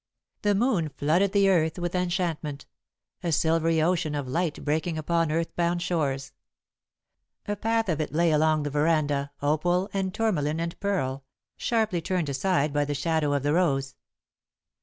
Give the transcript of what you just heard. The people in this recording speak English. The moon flooded the earth with enchantment a silvery ocean of light breaking upon earth bound shores. A path of it lay along the veranda opal and tourmaline and pearl, sharply turned aside by the shadow of the rose.